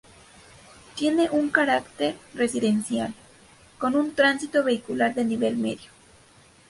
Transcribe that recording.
Tiene un carácter residencial, con un tránsito vehicular de nivel medio.